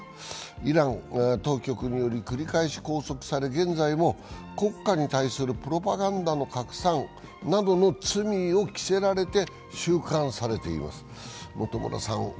イラン当局により繰り返し拘束され国家に対するプロパガンダの拡散などの罪を着せられて収監されています。